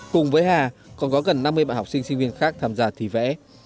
cùng với hà còn có gần năm mươi bạn học sinh sinh viên khác tham gia thi vẽ